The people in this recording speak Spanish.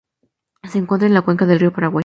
Se encuentra en la cuenca del río Paraguay.